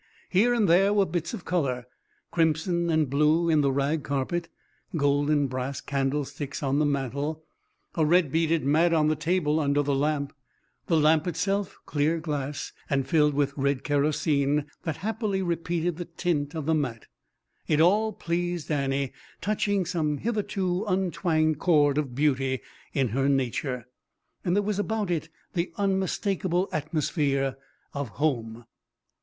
Here and there were bits of colour crimson and blue in the rag carpet, golden brass candlesticks on the mantel, a red beaded mat on the table under the lamp, the lamp itself clear glass and filled with red kerosene that happily repeated the tint of the mat. It all pleased Annie, touching some hitherto untwanged chord of beauty in her nature. And there was about it the unmistakable atmosphere of home.